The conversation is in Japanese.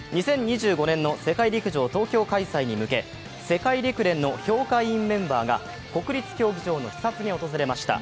２０２５年の世界陸上東京開催に向け世界陸連の評価委員メンバーが国立競技場の視察に訪れました。